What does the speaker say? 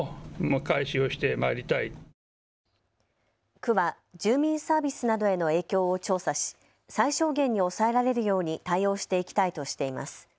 区は住民サービスなどへの影響を調査し最小限に抑えられるように対応していきたいとしています。